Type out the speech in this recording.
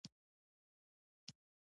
پغمان د تفریح لپاره یو ښه ځای دی.